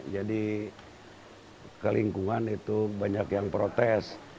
jadi ke lingkungan itu banyak yang protes